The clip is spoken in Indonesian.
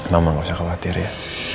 mama gak usah khawatir ya